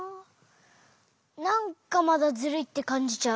なんかまだズルいってかんじちゃう。